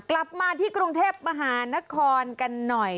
กลับมาที่กรุงเทพมหานครกันหน่อย